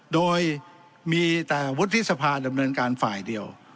โดยมีแต่วุฒิสภาดำเนินการฝ่ายเดียว